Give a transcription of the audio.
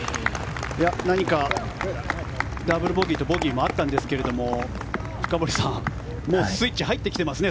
何か、ダブルボギーとボギーもあったんですが深堀さん、もうスイッチ入ってきていますね。